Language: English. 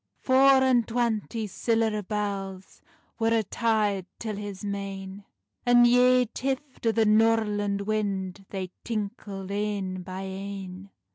Four and twanty siller bells Wer a' tyed till his mane, And yae tift o the norland wind, They tinkled ane by ane.